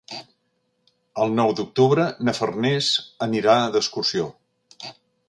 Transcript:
El nou d'octubre na Farners anirà d'excursió.